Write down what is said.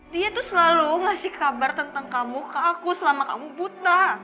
dia tuh selalu ngasih kabar tentang kamu ke aku selama kamu buta